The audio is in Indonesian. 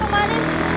seru lah main atv ini